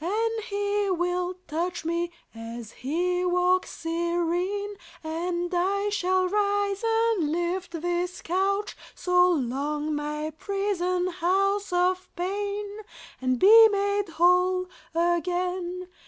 And He will touch me, as He walks serene; And I shall rise and lift This couch, so long my prison house of pain, And be made whole again.